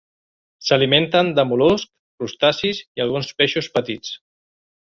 S'alimenten de mol·luscs, crustacis i alguns peixos petits.